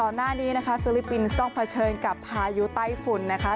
ก่อนหน้านี้ฟิลิปปินส์ต้องเผชิญกับพายุใต้ฝุ่น